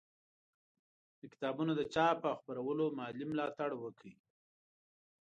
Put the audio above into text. د کتابونو د چاپ او خپرولو مالي ملاتړ وکړئ